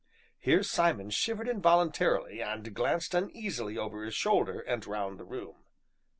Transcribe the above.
Here Simon shivered involuntarily, and glanced uneasily over his shoulder, and round the room.